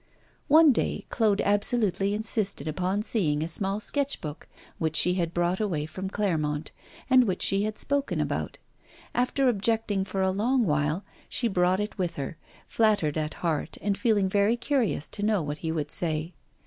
One day Claude absolutely insisted upon seeing a small sketch book which she had brought away from Clermont, and which she had spoken about. After objecting for a long while, she brought it with her, flattered at heart and feeling very curious to know what he would say.